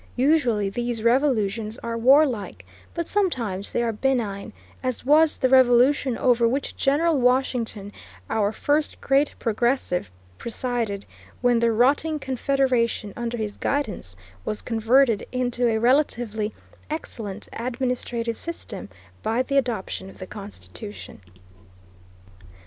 Usually these revolutions are warlike, but sometimes they are benign, as was the revolution over which General Washington, our first great "Progressive," presided, when the rotting Confederation, under his guidance, was converted into a relatively excellent administrative system by the adoption of the Constitution.